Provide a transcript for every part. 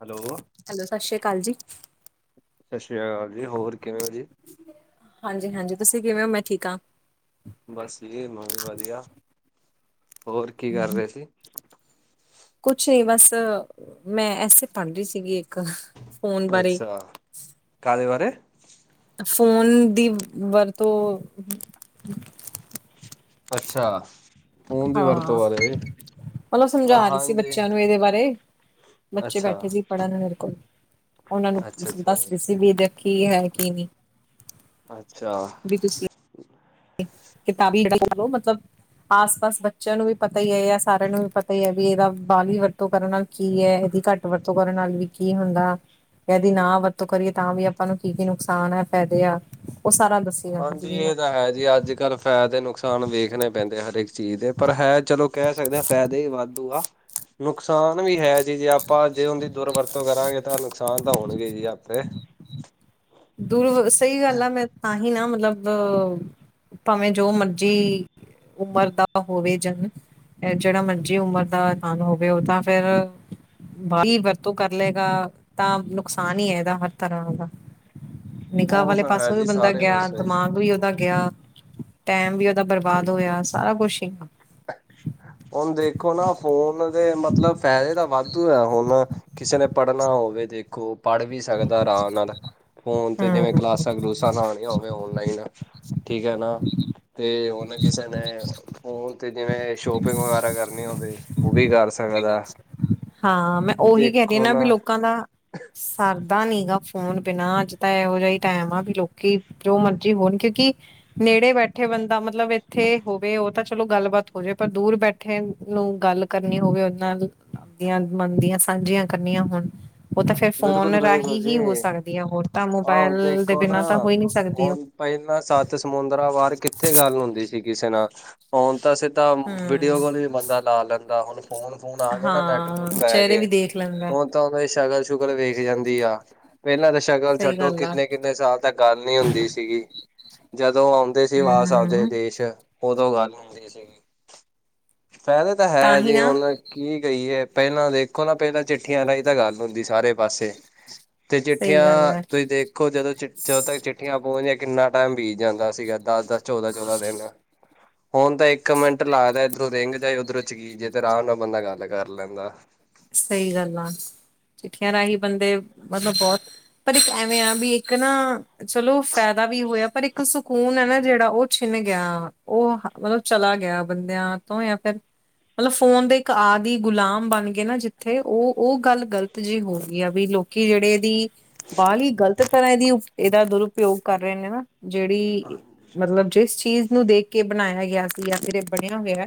Hello. Hello Sat Sri ਅਕਾਲ ਜੀ। ਸਤਿ ਸ਼੍ਰੀ ਅਕਾਲ ਜੀ, ਹੋਰ ਕਿਵੇਂ ਓ ਜੀ? ਹਾਂਜੀ- ਹਾਂਜੀ ਤੁਸੀਂ ਕਿਵੇਂ ਹੋ? ਮੈਂ ਠੀਕ ਹਾਂ। ਬਸ ਜੀ ਵਧੀਆ। ਹੋਰ ਕੀ ਕਰ ਰਹੇ ਸੀ? ਕੁਛ ਨੀ ਬਸ, ਮੈਂ ਐਸੇ ਪੜ੍ਹ ਰਹੀ ਸੀਗੀ ਇੱਕ। ਫੋਨ ਬਾਰੇ ਅੱਛਾ, ਕਾਹਦੇ ਬਾਰੇ। ਫੋਨ ਦੀ ਵਰਤੋਂ। ਅੱਛਾ ਫੋਨ ਦੀ ਹਾਂ ਵਰਤੋਂ ਬਾਰੇ। ਮਤਲਬ ਸਮਝਾ ਰਹੀ ਸੀ ਹਾਂਜੀ ਬੱਚਿਆਂ ਨੂੰ ਇਹਦੇ ਬਾਰੇ, ਬੱਚੇ ਅੱਛਾ ਬੈਠੇ ਸੀ ਪੜਨ ਮੇਰੇ ਕੋਲ। ਉਹਨਾਂ ਨੂੰ ਅੱਛਾ ਅੱਛਾ ਬੱਸ ਜੀ ਰਿਸੀ ਵੀ ਦੇਖੀ ਹੈ ਕਿ ਨਹੀਂ। ਅੱਛਾ। ਵੀ ਤੁਸੀਂ ਕਿਤਾਬੀ ਲ ਲੋ ਮਤਲਬ। ਆਸ ਪਾਸ ਬੱਚਿਆਂ ਨੂੰ ਵੀ ਪਤਾ ਹੀ ਹੈ ਜਾਂ ਸਾਰਿਆਂ ਨੂੰ ਵੀ ਪਤਾ ਹੀ ਹੈ ਵੀ ਇਹਦਾ ਬਾਲ ਹੀ ਵਰਤੋਂ ਕਰਨ ਨਾਲ। ਕੀ ਹੈ ਇਹਦੀ ਘੱਟ ਵਰਤੋਂ ਕਰਨ ਨਾਲ ਵੀ ਕੀ ਹੁੰਦਾ। ਇਹਦੀ ਨਾ ਵਰਤੋਂ ਕਰੀਏ ਤਾਂ ਵੀ ਆਪਾਂ ਨੂੰ ਕੀ ਕੀ ਨੁਕਸਾਨ ਆ ਫਾਇਦੇ ਆ ਉਹ ਸਾਰਾ ਦੱਸ। ਹਾਂਜੀ ਇਹ ਤਾਂ ਹੈ ਜੀ ਅੱਜ ਕੱਲ੍ਹ। ਫਾਇਦੇ ਨੁਕਸਾਨ ਵੇਖਣੇ ਪੈਂਦੇ ਹਰੇਕ ਚੀਜ਼ ਦੇ ਪਰ ਹੈ ਚਲੋ ਕਹਿ ਸਕਦੇ ਹਾਂ ਫਾਇਦੇ ਹੀ ਵਾਧੂ ਆ। ਨੁਕਸਾਨ ਵੀ ਹੈ ਜੀ ਜੇ ਆਪਾਂ ਜੇ ਉਹ ਦੀ ਦੁਰਵਰਤੋਂ ਕਰਾਂਗੇ ਤਾਂ ਨੁਕਸਾਨ ਤਾਂ ਹੋਣਗੇ ਜੀ ਆਪੇ। ਦੁਰ ਸਹੀ ਗੱਲ ਆ ਮੈਂ ਤਾਂਹੀ ਨਾ ਮਤਲਬ? ਭਾਵੇਂ ਜੋ ਮਰਜ਼ੀ ਉਮਰ ਦਾ ਹੋਵੇ ਜਨ। ਇਹ ਜਿਹੜਾ ਮੰਰਜੀ ਉਮਰ ਦਾ ਸਾਨ ਹੋਵੇ ਉਹ ਤਾਂ ਫੇਿਰ। ਕਿ ਵਰਤੋਂ ਕਰ ਲਏਗਾ ਤਾਂ ਨੁਕਸਾਨ ਹੀ ਹੈ ਇਹਦਾ ਹਰ ਤਰ੍ਹਾਂ ਦਾ। ਨਿਗਾਹ ਉਹ ਵਾਲੇ ਤਾਂ ਹੈ ਪਾਸੋਂ ਵੀ ਜੀ ਬੰਦਾ ਸਾਰੇ ਗਿਆ ਪਾਸੇ ਦਿਮਾਗ ਵੀ ਉਹਦਾ ਗਿਆ। ਟਾਈਮ ਵੀ ਉਹਦਾ ਬਰਬਾਦ ਹਾਂਜੀ ਹੋਇਆ ਸਾਰਾ ਕੁਛ ਹੀ। ਹੁਣ ਦੇਖੋ ਨਾ ਫੋਨ ਦੇ ਮਤਲਬ ਫਾਇਦੇ ਤਾਂ ਵਾਧੂ ਹੈ ਹੁਣ। ਕਿਸੇ ਨੇ ਪੜ੍ਹਨਾ ਹੋਵੇ ਦੇਖੋ ਪੜ੍ਹ ਵੀ ਸਕਦਾ ਆਰਾਮ ਨਾਲ ਫੋਨ ਤੇ ਜਿਵੇਂ ਕਲਾਸਾਂ ਕਲੂਸ। ਲਾਉਣੀਆਂ ਹੋਵੇ ਔਨਲਾਈਨ ਠੀਕ ਹੈ ਨਾ ਅਤੇ ਹੁਣ ਕਿਸੇ ਨੇ ਉਹ। ਤੇ ਜਿਵੇਂ ਸ਼ੋਪਿੰਗ ਵਗੈਰਾ ਕਰਨੀ ਹੋਵੇ ਉਹ ਵੀ ਕਰ ਸਕਦਾ। ਹਾਂ ਮੈਂ ਉਹੀ ਕਹਿ ਰਹੀ ਨਾ ਵੀ ਲੋਕਾਂ ਦਾ। ਸਰਦਾ ਨੀ ਗਾ ਫੋਨ ਬਿਨਾਂ ਅੱਜ ਤਾਂ ਇਹੋ ਜਿ ਹੀ ਟਾਈਮ ਆ ਵੀ ਲੋਕੀ। ਜੋ ਮਰਜ਼ੀ ਹੋਣ ਕਿਉਂਕਿ। ਨੇੜੇ ਬੈਠੇ ਬੰਦਾ ਮਤਲਬ ਇੱਥੇ ਹੋਵੇ ਉਹ ਤਾਂ ਚਲੋ ਗੱਲਬਾਤ ਹੋ ਜਾਵੇ ਪਰ ਦੂਰ ਬੈਠੇ। ਗੱਲ ਕਰਨੀ ਹੋਵੇ ਉਦੇ ਨਾਲ। ਚੰਗੀਆ ਮੰਨਦੀਆਂ ਸਾਂਝੀਆਂ ਕਰਨੀਆਂ ਹੋਣ। ਉਹ ਤੇ ਫਿਰ ਫੋਨ ਬਿਲਕੁਲ ਬਿਲਕੁਲ ਰਾਹੀਂ ਹੀ ਹੋ ਜੀ ਸਕਦੀ ਹੈ ਹੋਰ ਤਾਂ ਹਾਂ ਹੁਣ ਮੋਬਾਇਲ ਦੇ ਦੇਖੋ ਨਾ ਬਿਨਾਂ ਤਾਂ ਹੋਈ ਨਹੀ ਸਕਦੀ ਉਹ। ਹੁਣ ਪਹਿਲਾਂ ਸੱਤ ਸਮੁੰਦਰਾਂ ਪਾਰ ਕਿੱਥੇ ਗੱਲ ਹੁੰਦੀ ਸੀ ਕਿਸੇ ਨਾਲ। ਹੁਨ ਤਾਂ ਸਿੱਧਾ ਵੀਡੀਓ ਹੂੰ। ਕੋਲ ਵੀ ਬੰਦਾ ਲਾ ਲੈਂਦਾ ਹੁਣ। ਫੋਨ ਫੁਨ ਆ ਗਿਆ ਨਾ ਨੈਟ ਨੁੱਟ ਹਾਂ ਪੈ ਚਿਹਰੇ ਕੇ ਵੀ ਦੇਖ ਲੈਂਦਾ ਹੁਣ ਤਾਂ ਉਹਨਾਂ ਦੀ ਸ਼ਕਲ ਸ਼ੁਕਲ ਵੇਖ ਜਾਂਦੀ ਆ। ਪਹਿਲਾਂ ਤਾਂ ਸ਼ਕਲ ਸਹੀ ਛੱਡੋ ਗੱਲ ਆ ਕਿੰਨੇ ਕਿੰਨੇ ਸਾਲ ਤੱਕ ਗੱਲ ਨੀ ਹੁੰਦੀ ਸੀਗੀ। ਜਦੋਂ ਆਉਂਦੇ ਸੀ। ਹੂੰ [unintelligible] ਉਦੋਂ ਗੱਲ ਹੁੰਦੀ ਸੀਗੀ ਫਾਇਦੇ ਤਾਂ ਹੈ ਹੀ ਜੇ ਨਾ ਅੋਨਲਾਇਣ। ਕੀ ਕਹੀਏ ਪਹਿਲਾਂ ਦੇਖੋ ਨਾ ਪਹਿਲਾਂ ਚਿੱਠੀਆਂ ਰਾਹੀਂ ਤਾਂ ਗੱਲ ਹੁੰਦੀ ਸਾਰੇ ਪਾਸੇ। ਤੇ ਸਹੀ ਚਿੱਠੀਆਂ ਗੱਲ ਹੈ ਤੁਸੀਂ ਦੇਖ। ਦੇਖੋ ਜਦੋਂ ਤੱਕ ਚਿੱਠੀਆਂ ਪਹੁੰਚ ਦੀਆਂ ਕਿੰਨਾ ਟਾਈਮ ਬੀਤ ਜਾਂਦਾ ਸੀਗਾ ਦਸ ਦਸ ਚੌਦਾਂ ਚੌਦਾਂ ਦਿਨ। ਹੁਣ ਤਾਂ ਇੱਕ ਮਿੰਟ ਲੱਗਦਾ ਇੱਧਰੋਂ ਰਿੰਗ ਜਾਏ ਉੱਧਰੋਂ ਚਕੀ ਜੇ ਤੇ ਆਰਾਮ ਨਾਲ ਬੰਦਾ ਗੱਲ ਕਰ ਲੈਂਦਾ। ਸਹੀ ਗੱਲ ਆ ਚਿੱਠੀਆਂ ਰਾਹੀਂ ਬੰਦੇ ਮਤਲਬ ਬਹੁਤ। ਪਰ ਐਵੇਂ ਆ ਵੀ ਇੱਕ ਨਾ। ਚਲੋ ਫਾਇਦਾ ਵੀ ਹੋਇਆ ਪਰ ਇੱਕ ਸਕੂਨ ਏ ਨਾ ਜਿਹੜਾ ਉਹ ਛਿਨ ਗਿਆ ਉਹ। ਮਤਲਬ ਚਲਾ ਗਿਆ ਬੰਦਿਆਂ ਤੋਂ ਜਾਂ ਫਿਰ। ਮਤਲਬ ਫੋਨ ਦੇ ਇੱਕ ਆਦਿ ਗੁਲਾਮ ਬਣ ਗਏ ਨਾ ਜਿੱਥੇ। ਥੇ ਉਹ ਉਹ ਗੱਲ ਗ਼ਲਤ ਜਿਹੀ ਹੋ ਗਈ ਆ ਵੀ ਲੋਕੀ ਜਿਹੜੇ ਦੀ। [inaudible] ਗ਼ਲਤ ਤਰ੍ਹਾਂ ਇਹਦੀ ਇਹਦਾ ਦੁਰਪਯੋਗ ਕਰ ਰਹੇ ਨੇ ਨਾ ਜਿਹੜੀ ਮਤਲਬ ਜਿਸ ਚੀਜ਼ ਨੂੰ ਦੇਖ ਕੇ ਬਣਾਇਆ ਗਿਆ ਸੀ ਜਾਂ ਫਿਰ ਇਹ ਬਣਿਆ ਹੋਇਆ।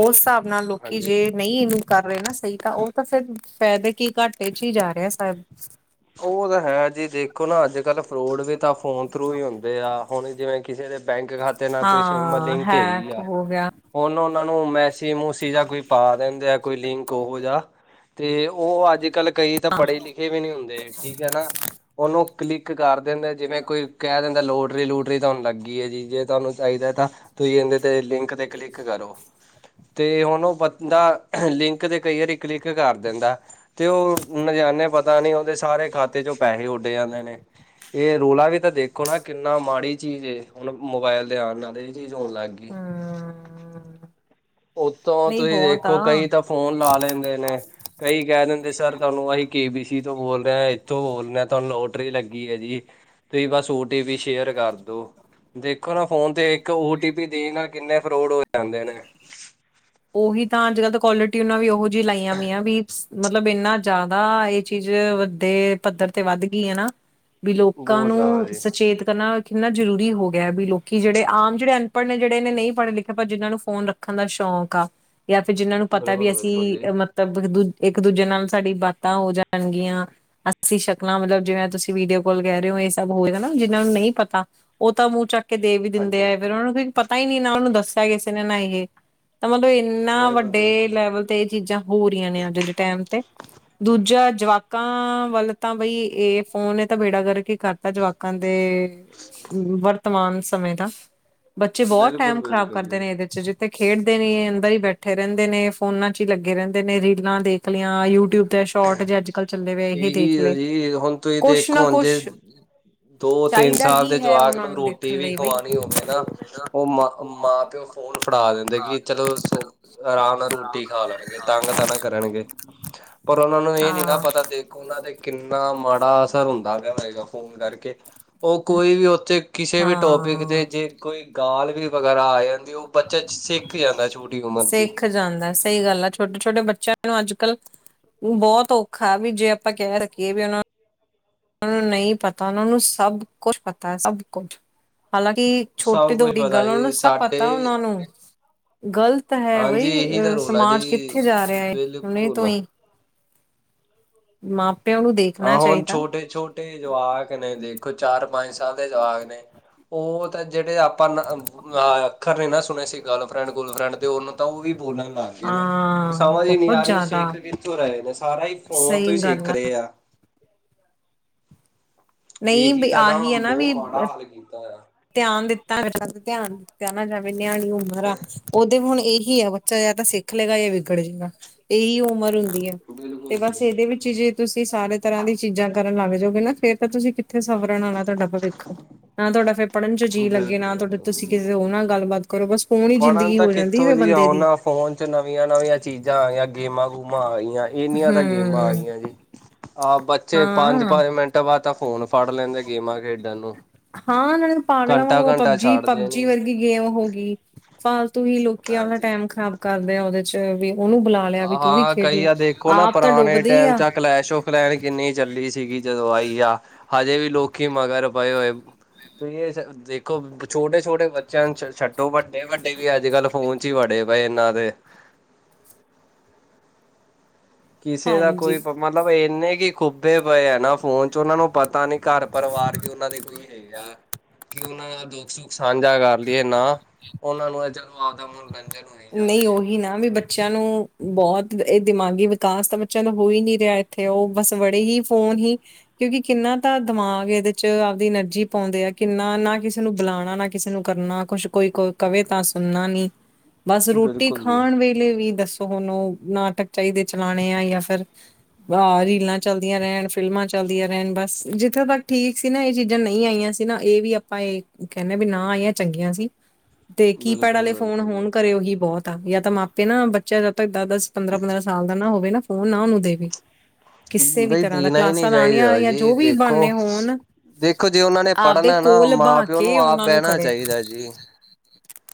ਉਸ ਹਿਸਾਬ ਨਾਲ ਲੋਕੀ ਹਾਂਜੀ ਜੇ ਨਹੀਂ ਇਹਨੂੰ ਕਰ ਰਹੇ ਨਾ ਸਹੀ ਤਾਂ ਉਹ। ਤਾਂ ਫਿਰ ਫਾਇਦੇ ਕੀ ਘਾਟੇ ਚ ਹੀ ਜਾ ਰਿਹਾ ਸਬ। ਉਹ ਤਾਂ ਹੈ ਜੀ ਦੇਖੋ ਨਾ ਅੱਜ ਕੱਲ ਫਰੋਡ ਵੀ ਤਾਂ ਫੋਨ ਥਰੂ ਹੀ ਹੁੰਦੇ ਆ ਹੁਣ ਜਿਵੇਂ। ਕਿਸੇ ਦੇ ਬੈਂਕ ਖਾਤੇ ਨਾਲ ਕੋਈ ਸਿਮ ਹਾਂ ਲਿੰਕ ਹੈਗੀ ਹੈਕ ਆ। ਹੋ ਗਿਆ ਹੁਣ ਓਨਾਂ ਨੂੰ ਮੈਸਜ ਮੂਸੀਜ ਜਾਂ ਕੋਈ ਪਾ ਦਿੰਦੇ ਆ ਕੋਈ ਲਿੰਕ ਓਹੋ ਜਿਆ। ਤੇ ਓ ਅੱਜ ਕੱਲ ਕਈ ਤਾਂ ਹਾਂ ਪੜ੍ਹੇ ਲਿਖੇ ਵੀ ਨੀ ਹੁੰਦੇ, ਠੀਕ ਐ ਨਾ ਓਨੂੰ ਕਲਿੱਕ ਕਰ ਦਿੰਦਾ, ਜਿਵੇਂ ਕੋਈ ਕੈ ਦਿੰਦਾ ਲੋਟਰੀ ਲੂਟਰੀ ਤਾਨੂੰ ਲੱਗ ਗੀ ਐ ਜੀ, ਜੇ ਤਾਨੂੰ ਚਾਈਦਾ ਤਾਂ ਤੁਸੀਂ ਏੰਦੇ ਤੇ ਲਿੰਕ ਤੇ ਕਲਿੱਕ ਕਰੋ। ਤੇ ਹੁਣ ਓ ਬੰਦਾ ਲਿੰਕ ਤੇ ਕਈ ਵਾਰੀ ਕਲਿੱਕ ਕਰ ਦਿੰਦਾ। ਤੇ ਓ ਨਜ਼ਾਣੇ ਪਤਾ ਨੀ ਓਦੇ ਸਾਰੇ ਖਾਤੇ ਚੋਂ ਪੈਸੇ ਉੱਡ ਜਾਂਦੇ ਨੇ, ਏ ਰੌਲਾ ਵੀ ਤਾਂ ਦੇਖੋ ਨਾ ਕਿੰਨਾ ਮਾੜੀ ਚੀਜ਼ ਏ। ਹੁਣ ਮੋਬਾਇਲ ਦੇ ਆਣ ਨਾਲ ਏ ਚੀਜ਼ ਹੋਣ ਲੱਗ ਗੀ। ਹਮ ਓਤੋਂ ਨਹੀਂ ਤੁਸੀ ਬਹੁਤ ਦੇਖੋ ਆ ਕਈ ਤਾਂ ਫੋਨ ਲਾ ਲੈਂਦੇ ਨੇ। ਕਈ ਕੈ ਦਿੰਦੇ ਸਰ ਤਾਨੂੰ ਅਹੀਂ ਕੇ ਬੀ ਸੀ ਤੋਂ ਬੋਲ ਰਏ ਆਂ, ਏਥੋਂ ਬੋਲਦੇ ਆਂ ਤਾਨੂੰ ਲੋਟਰੀ ਲੱਗੀ ਐ ਜੀ। ਤੁਸੀਂ ਬਸ ਓ ਟੀ ਪੀ ਸ਼ੇਅਰ ਕਰਦੋ। ਦੇਖੋ ਨਾ ਫੋਨ ਤੇ ਇੱਕ ਓ ਟੀ ਪੀ ਦੇ ਨਾਲ ਕਿੰਨੇ ਫਰੋਡ ਹੋ ਜਾਂਦੇ ਨੇ। ਓਹੀ ਤਾਂ ਅੱਜ ਕੱਲ੍ਹ ਤਾਂ ਕੋਲਰ ਟਿਊਨਾ ਵੀ ਓਹੋ ਜੀਆਂ ਲਾਈਆਂ ਵੀਆਂ ਵੀ ਮਤਲਬ ਏਨਾ ਜ਼ਾਦਾ ਏ ਚੀਜ਼ ਵੱਡੇ ਪੱਧਰ ਤੇ ਵੱਧ ਗੀ ਏ ਨਾ। ਵੀ ਲੋਕਾਂ ਬਹੁਤ ਜ਼ਿਆਦਾ ਨੂੰ ਜੀ ਸਚੇਤ ਕਰਨਾ ਕਿੰਨਾ ਜ਼ਰੂਰੀ ਹੋ ਗਿਆ ਵੀ ਲੋਕੀ ਜੇੜੇ ਆਮ ਜੇੜੇ ਅਨਪੜ੍ਹ ਜੜੇ ਏਨੇ ਨਈ ਪੜ੍ਹੇ ਲਿਖੇ, ਪਰ ਜਿਨ੍ਹਾਂ ਨੂੰ ਫੋਨ ਰੱਖਣ ਦਾ ਸ਼ੌਕ ਕਾ ਜਾਂ ਫੇਰ ਜਿੰਨਾਂ ਨੂੰ ਪਤਾ ਵੀ ਬਿਲਕੁਲ ਬਿਲਕੁਲ ਜੀ ਅਸੀਂ ਮਤ ਮਤਬ ਦੂ ਇੱਕ ਦੂਜੇ ਨਾਲ ਸਾਡੀ ਬਾਤਾਂ ਹੋ ਜਾਣਗੀਆਂ। ਅਸੀਂ ਸ਼ਕਲਾਂ ਮਤਲਬ ਜਿਵੇਂ ਤੁਸੀਂ ਵੀਡੀਓ ਕਾਲ ਕੈ ਰੇ ਓ ਏ ਸਭ ਹੋਏ ਨਾ, ਜਿੰਨਾਂ ਨੂੰ ਨਈ ਪਤਾ ਓ ਤਾਂ ਮੂੰਹ ਚੱਕ ਕੇ ਦੇ ਵੀ ਦਿੰਦੇ ਹਾਂਜੀ ਐ, ਫੇਰ ਓਨਾ ਨੂੰ ਪਤਾ ਈ ਨੀ ਨਾ ਓਨੂੰ ਦੱਸਿਆ ਕਿਸੇ ਨੇ। ਨਾ ਇਹ ਤਾਂ ਮਲਬ ਏਨਾ ਬਿਲਕੁਲ ਵੱਡੇ ਬਿਲਕੁਲ ਲੈਵਲ ਤੇ ਏ ਚੀਜ਼ਾਂ ਹੋ ਰੀਆਂ ਨੇ ਅੱਜ ਦੇ ਟੈਮ ਤੇ। ਦੂਜਾ ਜਵਾਕਾਂ ਵੱਲ ਤਾਂ ਬਈ ਏ ਫੋਨ ਨੇ ਤਾਂ ਬੇੜਾ ਗਰਕ ਈ ਕਰ ਤਾਂ ਜਵਾਕਾਂ ਦੇ ਵਰਤਮਾਨ ਸਮੇਂ ਦਾ ਬੱਚੇ ਬੋਤ ਬਿਲਕੁਲ ਟੈਮ ਖਰਾਬ ਬਿਲਕੁਲ ਕਰਦੇ ਜੀ ਨੇ ਏਦੇ 'ਚ ਜਿੱਥੇ ਖੇਡ ਡਦੇ ਨੀ ਏ ਅੰਦਰ ਈ ਬੈਠੇ ਰੈਂਦੇ ਨੇ, ਫੋਨਾਂ 'ਚ ਈ ਲੱਗੇ ਰੈਂਦੇ ਨੇ, ਰੀਲਾਂ ਦੇਖ ਲੀਆਂ, ਯੂਟਿਊਬ ਤੇ ਸ਼ੋਟ ਜੇ ਅੱਜ ਕੱਲ ਚੱਲੇ ਪਏ ਏ ਦੇਖ ਇਹੀ ਹੈ ਲੇ। ਜੀ ਹੁਣ ਤੁਸੀਂ ਕੁਛ ਨਾ ਦੇਖੋ ਹੁਣ ਕੁਛ ਜੇ ਦੋ ਤਿੰਨ ਚਾਹੀਦਾ ਸਾਲ ਦੇ ਹੀ ਹੈ ਜਵਾਕ ਉਹਨਾਂ ਨੂੰ ਰੋਟੀ ਦੇਖਣ ਵੀ ਲਈ ਬਈ ਖਵਾਣੀ ਹੋਵੇ ਨਾ, ਓ ਮ ਮਾਂ ਪਿਓ ਫੋਨ ਫੜਾ ਦਿੰਦੇ ਕੀ ਚਲੋ ਸੋ ਆਰਾਮ ਨਾਲ ਰੋਟੀ ਖਾ ਲੈਣਗੇ, ਤੰਗ ਤਾਂ ਨਾ ਕਰਨਗੇ। ਪਰ ਓਨਾਂ ਨੂੰ ਏ ਨੀ ਨਾ ਹਾਂ ਪਤਾ ਦੇਖੋ ਓਨਾਂ ਤੇ ਕਿੰਨਾ ਮਾੜਾ ਅਸਰ ਹੁੰਦਾ ਗਿਆ ਏਦਾ। ਫੋਨ ਕਰਕੇ ਓ ਕੋਈ ਵੀ ਓਥੇ ਕਿਸੇ ਵੀ ਟੋਪਿਕ ਹਾਂ ਤੇ ਜੇ ਕੋਈ ਗਾਲ ਵੀ ਵਗੈਰਾ ਆ ਜਾਂਦੀ, ਓ ਬੱਚਾ ਸਿੱਖ ਜਾਂਦਾ ਛੋਟੀ ਉਮਰ ਚੀ। ਸਿੱਖ ਜਾਂਦਾ ਸਈ ਗੱਲ ਆ, ਛੋਟੇ- ਛੋਟੇ ਬੱਚਿਆਂ ਨੂੰ ਅੱਜ ਕੱਲ੍ਹ ਬੋਤ ਔਖਾ ਵੀ ਜੇ ਆਪਾਂ ਕੈ ਰੱਖੀਏ ਵੀ ਓਨਾਂ ਨੂੰ ਓਨਾ ਨੂੰ ਨਈ ਪਤਾ, ਓਨਾਂ ਨੂੰ ਸਭ ਕੁਛ ਪਤਾ- ਸਭ ਕੁਛ। ਹਾਲਾਂਕਿ ਛੋਟੀ ਸਭ ਤੋਂ ਕੁਛ ਵੱਡੀ ਪਤਾ ਗੱਲ ਓਨਾਂ ਜੀ ਨੂੰ ਸਭ ਸਾਡੇ ਪਤਾ ਓਨਾਂ ਨੂੰ। ਗਲਤ ਗਲਤ ਹੈ ਹਾਂਜੀ ਬਈ ਇਹੀ ਤਾਂ ਅ ਰੋਲ ਆ ਜੀ ਸਮਾਜ ਕਿੱਥੇ ਜਾ ਰਿਆ ਏ ਹੁਣੇ ਤੋਂ ਬਿਲਕੁਲ ਈਂ। ਮਾਪੇ ਓਨੂੰ ਦੇ ਆਹੋ ਹੁਣ ਛੋਟੇ ਛੋਟੇ ਜਵਾਕ ਨੇ, ਦੇਖੋ ਚਾਰ ਪੰਜ ਸਾਲ ਦੇ ਜਵਾਕ ਨੇ। ਓ ਤਾਂ ਜੜੇ ਆਪਾਂ ਨਾ ਆ ਅੱਖਰ ਨੀ ਨਾ ਸੁਣੇ ਸੀ ਗਰਲਫਰੈਂਡ ਗੁਲਫਰੈਂਡ ਦੇ, ਓਨੂੰ ਤਾਂ ਓ ਵੀ ਬੋਲਣ ਲਾ ਵਧੀਆ ਨੇ, ਹਾਂ ਸਮਝ ਨੀ ਬਹੁਤ ਆ ਰੀ ਓ ਜ਼ਿਆਦਾ ਸਿੱਖ ਕਿੱਥੋਂ ਰਏ ਨੇ, ਸਾਰਾ ਈ ਫੋਨ ਤੋਂ ਸਹੀ ਈ ਗੱਲ ਸਿੱਖ ਰਏ ਆ। ਨਹੀਂ ਏਹੀ ਵੀ ਤਾਂ ਨਾ ਆਹੀ ਹੈ ਬੋਤ ਵੀ ਮਾੜਾ ਹਾਲ ਕੀਤਾ ਹੋਇਆ। ਧਿਆਨ ਦਿੱਤਾ ਹੋਏਗਾ, ਧਿਆਨ ਦਿੱਤਾ ਨਾ ਜਾਵੇ ਨਿਆਣੀ ਉਮਰ ਆ। ਓ ਤੇ ਹੁਣ ਏਹੀ ਆ ਬੱਚਾ ਜਾਂ ਤਾਂ ਸਿੱਖ ਲੇਗਾ ਜਾਂ ਵਿਗੜ ਜੇਗਾ, ਏਹੀ ਉਮਰ ਹੁੰ ਦੀ ਐ। ਤੇ ਬਿਲਕੁਲ ਜੀ ਬਸ ਏਦੇ ਵਿੱਚ ਈ ਜੇ ਤੁਸੀਂ ਸਾਰੇ ਤਰ੍ਹਾਂ ਦੀਆਂ ਚੀਜ਼ਾਂ ਕਰਨ ਲੱਗ ਜਓਗੇ ਨਾ ਫੇਰ ਤਾਂ ਤੁਸੀਂ ਕਿੱਥੇ ਸਵਰਨ ਆਲਾ ਤੁਹਾਡਾ ਭਵਿੱਖ ਅ ਪੜ੍ਹਨ ਚ ਜੀਅ ਲੱਗੇ ਬਿਲਕੁਲ ਨਾ ਤੁਹਾਡੇ ਬਿਲਕੁਲ ਤੁਸੀਂ ਕਿਸੇ ਹੋਰ ਨਾਲ ਗੱਲਬਾਤ ਕਰੋ ਬਸ ਫੋਨ ਹੀ ਪੜ੍ਹਨ ਜ਼ਿੰਦਗੀ ਤਾਂ ਹੋ ਜਾਂਦੀ ਕਿੱਥੋਂ ਫੇਰ ਜੀ ਬੰਦੇ ਦੀ। ਉਹਨਾਂ ਫੋਨ ਚ ਨਵੀਆਂ ਨਵੀਆਂ ਚੀਜ਼ਾਂ ਆ ਗਿਆ ਗੇਮਾਂ-ਗੂਮਾਂ ਆ ਗਿਆਂ ਇੰਨੀਆਂ ਤਾਂ ਗੇਮਾਂ ਹੂੰ ਆਗੀਆ ਜੀ। ਆਹ ਬੱਚੇ ਪੰਜ ਹਾਂ ਪੰਜ ਮਿੰਟਾਂ ਬਾਦ ਤਾਂ ਫੋਨ ਫੜ ਲੈਂਦੇ ਗੇਮਾਂ ਖੇਡਣ ਨੂੰ। ਹਾਂ ਨਾਲੇ ਪਾਗਲਾ ਵਾਂਗੂ ਘੰਟਾ-ਘੰਟਾ ਪਬ ਜੀ ਛੱਡਦੇ ਪਬ ਜੀ ਨੀ ਵਰਗੀ ਗੇਮ ਹੋ ਗਈ ਫਾਲਤੂ ਹੀ ਲੋਕੀ ਆਪਣਾ ਹਾਂਜੀ। ਟੈਮ ਖਰਾਬ ਕਰਦੇ ਆ ਉਹਦੇ ਚ ਵੀ ਉਹਨੂੰ ਬਲਾ ਹਾਂ ਕਈ ਆ ਦੇਖੋ ਨਾ ਪੁਰਾਣੇ ਡੁੱਬਦੇ ਹੀ ਟੈਮ ਚ ਆ ਕਲੈਸ਼ ਹੋ ਪਲੈਨ ਕਿੰਨੀ ਚੱਲੀ ਸੀਗੀ ਜਦੋਂ ਆਈ ਆ ਹਜੇ ਵੀ ਲੋਕੀ ਮਗਰ ਪਏ ਹੋਏ। ਤੁਸੀ ਇਸ ਦੇਖੋ ਛੋਟੇ-ਛੋਟੇ ਬੱਚਿਆਂ ਨੂੰ ਛੱਡੋ ਬੱ ਵੱਡੇ ਵੀ ਅੱਜ ਕੱਲ੍ਹ ਫੋਨ ਚ ਹੀ ਵੜੇ ਪਏ ਇਹਨਾਂ ਦੇ ਕਿਸੇ ਦਾ ਕੋਈ ਹਾਂਜੀ। ਭ ਮਤਲਬ ਇੰਨੇ ਕੀ ਖੁੱਬੇ ਪਏ ਆ ਨਾ ਫੋਨ ਚ ਉਨਾ ਨੂੰ ਪਤਾ ਨੀ ਘਰ ਪਰਿਵਾਰ ਵੀ ਉਨਾਂ ਦੇ ਕੁ ਹੈਗਾ ਕਿ ਉਹਨਾਂ ਨਾਲ ਦੁੱਖ-ਸੁੱਖ ਸਾਂਝਾ ਕਰ ਲੀ ਏ ਨਾ ਉਹਨਾਂ ਨੂੰ ਐ ਚੱਲੋ ਆਪਦਾ ਫੋਨ [unintelligible] ਨਹੀਂ ਉਹੀ ਨਾ ਵੀ ਬੱਚਿਆਂ ਨੂੰ ਬਹੁਤ ਇਹ ਦਿਮਾਗੀ ਵਿਕਾਸ ਤਾਂ ਬੱਚਿਆਂ ਦਾ ਹੋ ਹੀ ਨੀਂ ਰਿਹਾ। ਤੇ ਉਹ ਬਸ ਬੜੇ ਹੀ ਫੋਨ ਹੀ ਕਿਉਂਕਿ ਤਾਂ ਦਿਮਾਗ ਇਹਦੇ ਚ ਆਪਦੀ ਐਨਰਜੀ ਪੌਂਅਦੇ ਕਿੰਨਾ ਨਾ ਕਿਸੇ ਨੂੰ ਬੁਲਾਉਣਾ ਨਾ ਕਿਸੇ ਨੂੰ ਕਰਨਾ। ਕੁਛ ਕੋਈ ਕੋ ਕਵੇ ਤਾਂ ਸੁਣਨਾ ਨੀ। ਬਸ ਰੋਟੀ ਬਿਲਕੁਲ ਜੀ ਖਾਣ ਵੇਲੇ ਵੀ ਦੱਸੋ ਹੁਣ ਉਹ ਨਾਟਕ ਚਾਹੀਦੇ ਚਲਾਣੇ ਆ ਜਾਂ ਫਿਰ ਆਹ ਰੀਲਾਂ ਚੱਲਦੀਆਂ ਰਹਿਣ ਫਿਲਮਾਂ ਚੱਲਦੀਆਂ ਰਹਿਣ ਬਸ ਜਿੱਥੇ ਤੱਕ ਠੀਕ ਸੀ ਨਾ ਇਹ ਚੀਜ਼ਾਂ ਨਈ ਆਈਆਂ ਸੀ। ਹਨਾ ਇਹ ਵੀ ਆਪਾਂ ਇਹ ਕਹਿਣੇ ਆ ਵੀ ਨਾ ਆਈਆਂ ਚੰਗੀਆਂ ਸੀ। ਤੇ ਕੀਪੈਡ ਬਿਲਕੁਲ ਆਲੇ ਫੋਨ ਬਿਲਕੁਲ ਜੀ ਹੋਣ ਘਰੇ ਉਹੀ ਬਹੁਤ ਆ ਜਦ ਤਾਂ ਮਾਪੇ ਨਾ ਬੱਚਾ ਜਦ ਤੱਕ ਦਸ-ਦਸ, ਪੰਦਰਾਂ- ਪੰਦਰਾਂ ਸਾਲ ਦਾ ਨਾ ਹੋਵੇ ਨਾ ਫੋਨ ਨਾ ਉਹਨੂੰ ਦੇਵੇ। ਕਿਸੇ ਵੀ ਬਈ ਤਰ੍ਹਾਂ ਦਾ ਦੇਣਾ ਹੀ ਕਲਾਸਾਂ ਨਹੀਂ ਚਾਹੀਦਾ ਲਾਣੀਆਂ ਜੀ ਜੋ ਵੀ ਦੇਖੋ ਬਹਾਨੇ ਹੋਣ ਦੇਖੋ ਜੇ ਉਹਨਾ ਨੇ ਆਪਦੇ ਪੜ੍ਹਨਾ ਨਾ ਕੋਲ ਮਾਂ ਬਹਾ ਪਿਓ ਕੇ ਨੂੰ ਆਪ ਬਹਿਣਾ ਚਾਹੀਦਾ ਜੀ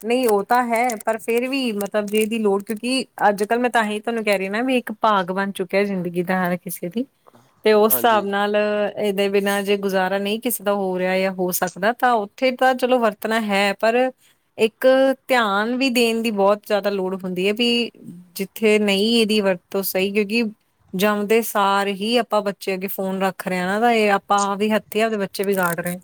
ਨਈ ਉਹ ਤਾਂ ਹੈ ਪਰ ਫੇਰ ਵੀ ਮਤਲਬ ਜੇ ਇਹਦੀ ਲੋੜ ਕਿਉਂਕਿ ਅੱਜ ਕੱਲ ਮੈਂ ਤਾਂਹੀ ਤੁਹਾਨੂੰ ਕਹਿ ਰਹੀ ਨਾ ਵੀ ਇੱਕ ਭਾਗ ਬਣ ਚੁੱਕਾ ਕਾ ਜ਼ਿੰਦਗੀ ਦਾ ਹਰ ਕਿਸੇ ਦੀ [inaudible] ਤੇ ਉਸ ਸਾਬ ਨਾਲ ਇਹਦੇ ਬਿਨਾਂ ਜੇ ਗੁਜ਼ਾਰਾ ਨਹੀਂ ਕਿਸੇ ਦਾ ਹੋ ਰਿਹਾ ਜਾਂ ਹੋ ਸਕਦਾ ਤਾਂ ਉੱਥੇ ਤਾਂ ਚਲੋ ਵਰ ਆਪਣਾ ਹੈ ਪਰ ਇੱਕ ਧਿਆਨ ਵੀ ਦੇਣ ਦੀ ਬਹੁਤ ਜਿਆਦਾ ਲੋੜ ਹੁੰਦੀ ਐ ਵੀ ਜਿੱਥੇ ਨਈ ਇਹਦੀ ਵਰਤੋਂ ਸਹੀ ਕਿਉਂਕਿ ਜੰਮਦੇ ਸਾਰ ਹੀ ਆਪਾਂ ਬੱਚੇ ਅੱਗੇ ਫੋਨ ਰੱਖ ਰਹੇ ਆ ਨਾ ਤਾਂ ਇਹ ਆਪਾਂ ਆਪਦੇ ਹੱ ਦੀ ਆਪਦੇ ਬੱਚੇ ਵਿਗਾੜ ਰਹੇ ਆ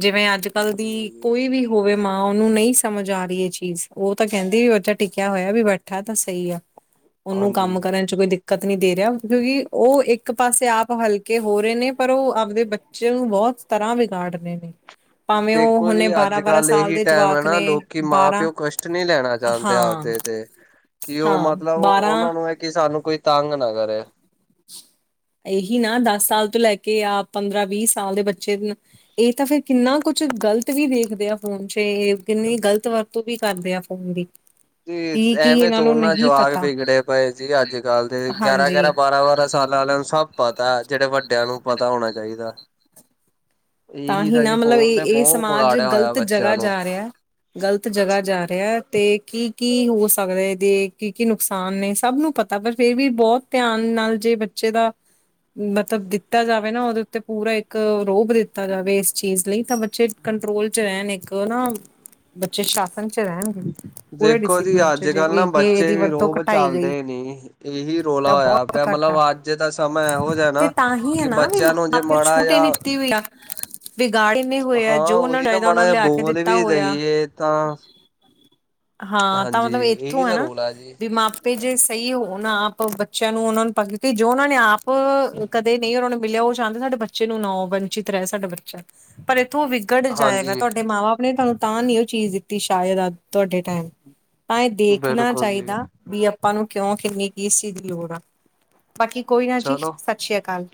ਜਿਵੇਂ ਅੱਜ ਅੱਜ ਕੱਲ ਦੀ ਬਿਲਕੁਲ ਜੀ। ਕੋਈ ਵੀ ਹੋਵੇ ਮਾਂ ਉਹਨੂੰ ਨਹੀਂ ਸਮਝ ਆ ਰਹੀ ਏਹ ਚੀਜ਼ ਉਹ ਤਾਂ ਕਹਿੰਦੀ ਵੀ ਬੱਚਾ ਟਿਕਿਆ ਹੋਇਆ ਵੀ ਬੈਠਾ ਤਾਂ ਸਹੀ ਆ ਉਹਨੂੰ ਕੰਮ ਹਾਂਜੀ ਕਰਨ ਚ ਕੋਈ ਦਿੱਕਤ ਨੀ ਦੇ ਰਿਹਾ ਕਿਉਂਕਿ ਉਹ ਇੱਕ ਪਾਸੇ ਆਪ ਹਲਕੇ ਹੋ ਰਹੇ ਨੇ ਪਰ ਉਹ ਆਪਦੇ ਬੱ ਬੱਚੇ ਨੂੰ ਬਹੁਤ ਤਰ੍ਹਾਂ ਵਿਗਾੜ ਰਹੇ ਨੇ। ਭਾਵੇਂ ਉਹ ਦੇਖੋ ਹੁਣੇ ਜੀ ਅੱਜ ਬਾਰਾਂ-ਬਾਰਾਂ ਕੱਲ ਸਾਲ ਦੇ ਜਵਾਕ ਨੇ, ਬਾਰਾਂ ਕਝ ਨ੍ਹੀਂ ਲੈਣਾ ਚਾਹੁੰਦੇ ਹਾਂ ਆਵਦੇ ਤੇ ਕਿ ਉਹ ਹਾਂ ਮਤਲਬ ਬਾਰਾਂ ਉਹਨਾਂ ਨੂੰ ਕਿ ਸਾਨੂੰ ਕੋਈ ਤੰਗ ਨਾ ਕਰੇ। ਏਹੀ ਨਾ ਦਸ ਸਾਲ ਤੋਂ ਲੈ ਕੇ ਆਪ ਪੰਦਰਾਂ ਵੀਹ ਸਾਲ ਦੇ ਬੱਚੇ ਏਹ ਤਾਂ ਫੇਰ ਕਿੰਨਾ ਕੁਛ ਕੁਛ ਗਲਤ ਵੀ ਦੇਖਦੇ ਆ ਫੋਨ ਚ ਏ ਕਿੰਨੀ ਗ਼ਲਤ ਵਰਤੋਂ ਵੀ ਕਰਦੇ ਆ ਫੋਨ ਦੀ ਤੇ ਕੀ ਕੀ ਐਵੇਂ ਇਹਨਾਂ ਥੋੜੋਂ ਨੂੰ ਨਾ ਨਹੀਂ ਜਵਾਕ ਪਤਾ ਵਿਗੜੇ ਪਏ ਜੀ ਅੱਜ ਕੱਲ ਦੇ ਗਿਆਰਾਂ-ਗਿਆਰਾਂ ਹਾਂਜੀ ਬਾਰਾਂ-ਬਾਰਾਂ ਸਾਲਾਂ ਆਲਿਆਂ ਨੂੰ ਸਭ ਪਤਾ ਜਿਹੜੇ ਵੱਡਿਆਂ ਨੂੰ ਪਤਾ ਹੋਣਾ ਚਾਹੀਦਾ। ਇਹੀ ਤਾਂਹੀ ਤਾਂ ਨਾ ਜੀ ਮਤਲਬ ਫੋਨ ਇਹ ਨੇ ਇਹ ਬਹੁਤ ਸਮਾਜ ਵਿਗਾੜਿਆ ਹੋਇਆ ਗ਼ਲਤ ਜਗ੍ਹਾ ਬੱਚਿਆਂ ਨੂੰ। ਜਾ ਰਿਆ। ਗ਼ਲਤ ਜਗ੍ਹਾ ਜਾ ਰਿਹਾ ਤੇ ਕੀ ਕੀ ਹੋ ਸਕਦਾ ਇਹਦੇ ਕੀ ਕੀ ਨੁਕਸਾਨ ਨੇ ਸਭ ਨੂੰ ਪਤਾ ਪਰ ਫਿਰ ਵੀ ਬਹੁਤ ਧਿਆਨ ਨਾਲ ਜੇ ਬੱਚੇ ਦਾ ਮਤਲਬ ਦਿੱਤਾ ਜਾਵੇ ਨਾ ਉਹਦੇ ਉੱਤੇ ਪੂਰਾ ਇੱਕ ਰੋਬ ਦਿੱਤਾ ਦਿੱਤਾ ਜਾਵੇ ਇਸ ਚੀਜ਼ ਲਈ ਤਾਂ ਬੱਚੇ ਕੰਟਰੋਲ ਚ ਰਹਿਣ ਇੱਕ ਨਾ ਬੱਚੇ ਸ਼ਾਸਨ ਚ ਰਹਿਣਗੇ, ਪੂਰੇ ਦੇਖੋ ਜੀ ਡਿਸਪਲਿਨ 'ਚ ਇਹ ਇਹਦੀ ਵਰਤੋਂ ਘਟਾਈ ਗਈ। ਇਹ ਨੀ ਇਹੀ ਰੌਲਾ ਤਾਂ ਹੋਇਆ ਬੋਤ ਪਿਆ ਘੱਟ ਮਤਲਬ ਆ, ਅੱਜ ਦਾ ਸਮਾਂ ਇਹੋ ਜਿਹਾ ਤੇ ਨਾ ਤਾਂਹੀ ਐ ਕਿ ਨਾ ਬੱਚਿਆਂ ਨੂੰ ਜੇ ਆਪਣੇ ਮਾੜਾ ਛੋਟੇ ਨੀ ਜਾਂ ਤੇ ਵੀ ਐ [unintelligible] ਵਿਗਾੜੇ ਇੰਨੇ ਹੋਏ ਆ ਹਾਂ ਜੋ ਉਹਨਾ ਨੂੰ ਉਹੀ ਨਾ ਚਾਹੀਦਾ ਮਾੜਾ ਉਹਨੂੰ ਜਿਹਾ ਲਿਆ ਕੇ ਬੋਲ ਦਿੱਤਾ ਵੀ ਹੋਇਆ। ਦਈਏ ਤਾਂ ਹਾਂ ਤਾਂ ਮਤਲਬ ਹਾਂਜੀ ਇਹੀ ਇੱਥੋਂ ਐ ਤਾਂ ਨਾ, ਰੋਲ ਆ ਜੀ ਵੀ ਮਾਪੇ ਜੇ ਸਹੀ ਹੋਣ ਨਾ ਬੱਚਿਆਂ ਨੂੰ ਉਹਨਾਂ ਨੂੰ ਆਦਤ ਦਿੱਤੀ ਜੋ ਉਹਨਾਂ ਨੇ ਆਪ ਕਦੇ ਨਹੀਂ ਉਹਨਾਂ ਨੂੰ ਮਿਲਿਆ ਉਹ ਚਾਹੁੰਦੇ ਸਾਡੇ ਬੱਚੇ ਬੱਚੇ ਨੂੰ ਨੋ ਵੰਚਿਤ ਰਹਿ ਸਕਦਾ ਬੱਚਾ ਇੱਥੋਂ ਪਰ ਵਿਗੜ ਜਾਏਗਾ ਹਾਂਜੀ। ਤੁਹਾਡੇ ਮਾਂ ਬਾਪ ਨੇ ਤੁਹਾਨੂੰ ਤਾਂ ਨੀ ਉਹ ਚੀਜ਼ ਦਿੱਤੀ ਸ਼ਾਇਦ ਅ ਤੁਹਾਡੇ ਟਾਈਮ ਤਾਈ ਦੇਖਣਾ ਬਿਲਕੁਲ ਜੀ ਚਾਈਦਾ। ਵੀ ਆਪਾਂ ਨੂੰ ਕਿਉਂ ਕਿਨੀ ਕਿਸ ਚੀਜ਼ ਦੀ ਲੋੜ ਆ, ਬਾਕੀ ਕੋਈ ਨਾ ਜੀ ਚਲੋ ਸਤਿ ਸ੍ਰੀ ਅਕਾਲ।